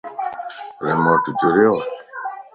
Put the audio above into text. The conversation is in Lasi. ريموٽ جريوَ